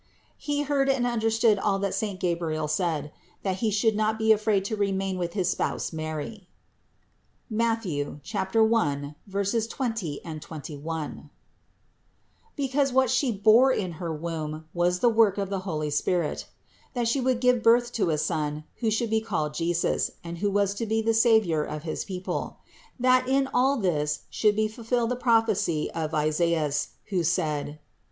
He heard and understood all THE INCARNATION 327 that saint Gabriel said: that he should not be afraid to remain with his Spouse Mary (Matth. 1, 20, 21), because what She bore in her womb, was the work of the holy Spirit; that She would give birth to a Son, who should be called Jesus and who was to be the Savior of his people ; that in all this should be fulfilled the prophecy of Isaias, who said (Is.